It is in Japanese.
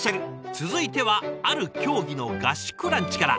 続いてはある競技の合宿ランチから。